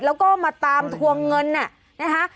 แล้วก็มาตามทวงเงินนะคะ